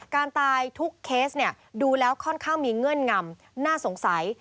การตายทุกเคสดูแล้วค่อนข้างมีเงื่อนงำน่าสงสัย